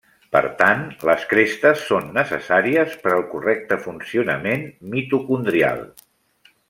Per tant, les crestes són necessàries per al correcte funcionament mitocondrial.